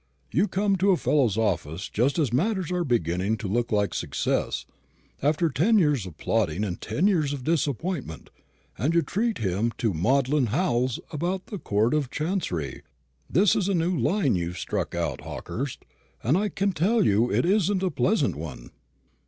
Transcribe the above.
You come to a fellow's office just as matters are beginning to look like success after ten years' plodding and ten years' disappointment and you treat him to maudlin howls about the Court of Chancery. This is a new line you've struck out, Hawkehurst, and I can tell you it isn't a pleasant one."